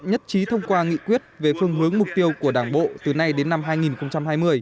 nhất trí thông qua nghị quyết về phương hướng mục tiêu của đảng bộ từ nay đến năm hai nghìn hai mươi